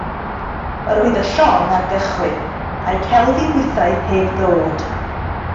Yr oedd y llong ar gychwyn, a'u celfi hwythau heb ddod.